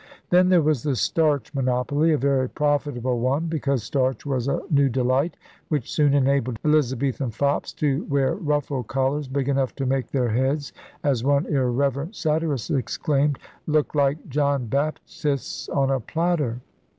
Then there was the Starch Monopoly, a very profitable one because starch was a new delight which soon enabled Elizabethan fops to wear ruffed collars big enough to make their heads — as one irreverent satirist exclaimed — *look like John Baptist's on a platter.'